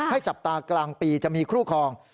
จับตากลางปีจะมีคู่คลอง